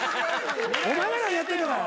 お前が何やってんだ。